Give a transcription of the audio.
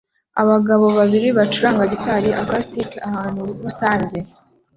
Abagabo babiri bacuranga gitari acoustic ahantu rusange